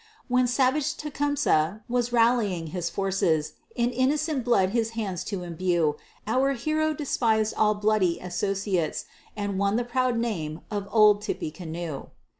When savage Tecumseh was rallying his forces, In innocent blood his hands to imbrue; Our hero despis'd all his bloody associates, And won the proud name of Old Tippecanoe.